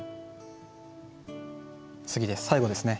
次で最後ですね。